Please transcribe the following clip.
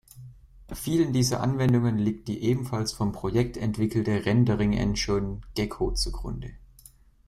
Vielen dieser Anwendungen liegt die ebenfalls vom Projekt entwickelte Rendering-Engine Gecko zugrunde.